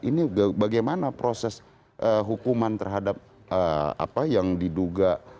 ini bagaimana proses hukuman terhadap apa yang diduga